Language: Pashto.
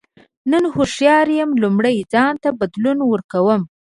نن هوښیار یم لومړی ځان ته بدلون ورکوم.